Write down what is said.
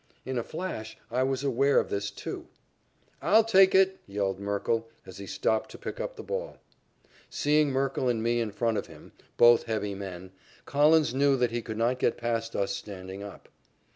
In a flash, I was aware of this, too. "I'll take it," yelled Merkle, as he stopped to pick up the ball. Seeing Merkle and me in front of him, both heavy men, Collins knew that he could not get past us standing up.